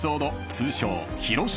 通称広島編］